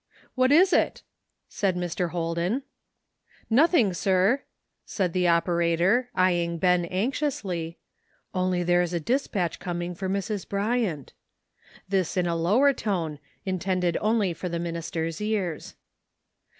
" What is it ?" said Mr. Holden. "Nothing, sir," said the operator, eying Ben anxiously, " only there is a dispatch coming for Mrs. Bryant." This in a lower tone, intended only for the minister's ears.